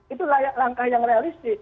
itu langkah yang realistik